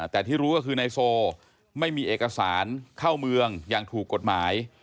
แต่ที่รู้ก็คือนายโซไม่มีเอกสารเข้าเมืองอย่างถูกกฎหมาย